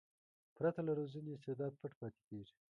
پرته له روزنې استعداد پټ پاتې کېږي.